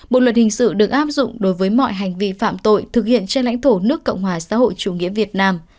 bộ luật hình sự được áp dụng đối với mọi hành vi phạm tội thực hiện trên lãnh thổ nước cộng hòa xã hội chủ nghĩa việt nam